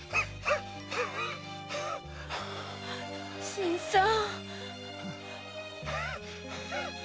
新さん。